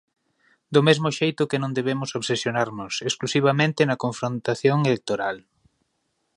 Do mesmo xeito que non debemos obsesionarnos exclusivamente na confrontación electoral.